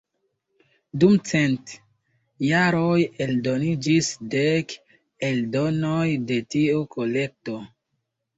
Dum cent jaroj eldoniĝis dek eldonoj de tiu kolekto.